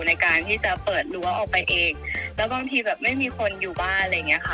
ในการที่จะเปิดรั้วออกไปเองแล้วบางทีแบบไม่มีคนอยู่บ้านอะไรอย่างเงี้ยค่ะ